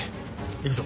行くぞ。